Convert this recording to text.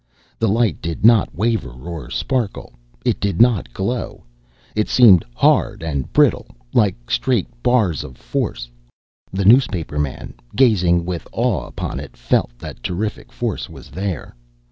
The light did not waver or sparkle. It did not glow. It seemed hard and brittle, like straight bars of force. The newspaperman, gazing with awe upon it, felt that terrific force was there.